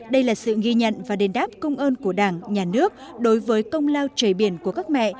đây là sự ghi nhận và đền đáp công ơn của đảng nhà nước đối với công lao trời biển của các mẹ